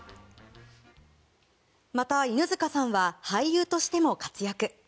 また、犬塚さんは俳優としても活躍。